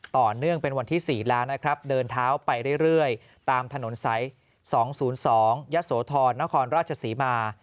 ต่อเนื่องเป็นวันที่๔แล้วนะครับเดินเท้าไปเรื่อยตามถนนสาย๒๐๒ยะโสธรนครราชศรีมา